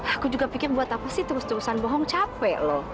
aku juga pikir buat apa sih terus terusan bohong capek loh